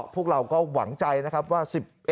พวกเราก็หวังใจนะครับว่า๑๑